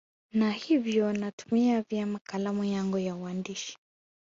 na hivyo naitumia vyema kalamu yangu ya uandishi